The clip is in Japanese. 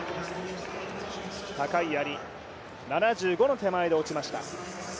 高いやり、７５の手前で落ちました。